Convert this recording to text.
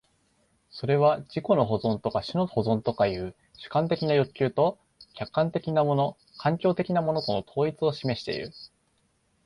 それは自己の保存とか種の保存とかという主観的な欲求と客観的なもの環境的なものとの統一を示している。